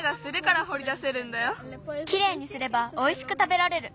きれいにすればおいしくたべられる。